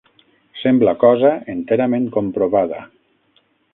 Sembla cosa enterament comprovada